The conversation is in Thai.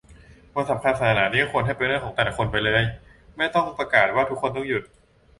วันสำคัญศาสนานี่ก็ควรให้เป็นเรื่องของแต่ละคนไปเลย ไม่ต้องประกาศว่าทุกคนต้องหยุด